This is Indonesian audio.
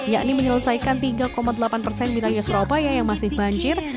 yakni menyelesaikan tiga delapan persen wilayah surabaya yang masih banjir